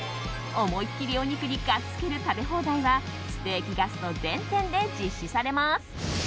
思い切りお肉にがっつける食べ放題はステーキガスト全店で実施されます。